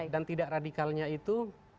dan tidak radikalnya itu